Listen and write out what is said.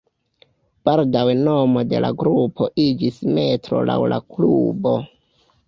Baldaŭe nomo de la grupo iĝis Metro laŭ la klubo.